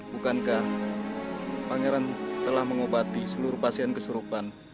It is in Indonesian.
bukankah pangeran telah mengobati seluruh pasien kesurupan